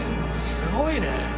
すごいね。